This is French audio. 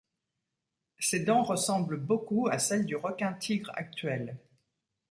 Ses dents ressemblent beaucoup à celles du requin-tigre actuel.